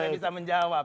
tidak bisa menjawab